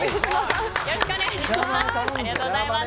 よろしくお願いします。